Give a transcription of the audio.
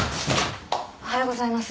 おはようございます。